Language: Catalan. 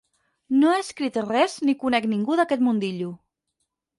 No he escrit res ni conec ningú d'aquest mundillo.